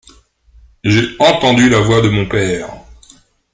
J’ai entendu la voix de mon père!